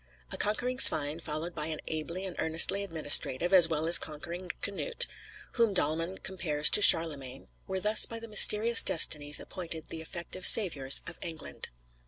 A conquering Svein, followed by an ably and earnestly administrative, as well as conquering, Knut (whom Dahlmann compares to Charlemagne), were thus by the mysterious destinies appointed the effective saviours of England.